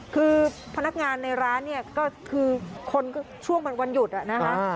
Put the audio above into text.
คือพนักงานในร้านเนี่ยก็คือคนช่วงวันหยุดอะนะคะ